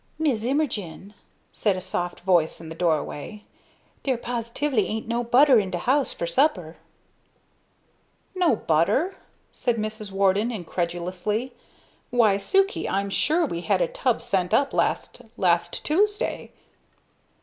"Mis' Immerjin," said a soft voice in the doorway, "dere pos'tively ain't no butter in de house fer supper." "No butter?" said Mrs. Warden, incredulously. "Why, Sukey, I'm sure we had a tub sent up last last Tuesday!"